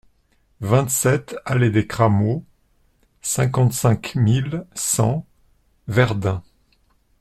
vingt-sept allée des Cramaux, cinquante-cinq mille cent Verdun